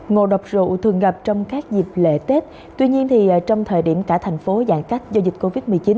ngộ độc rượu thường gặp trong các dịp lễ tết tuy nhiên trong thời điểm cả thành phố giãn cách do dịch covid một mươi chín